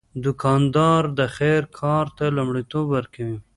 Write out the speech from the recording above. دوکاندار د خیر کار ته لومړیتوب ورکوي.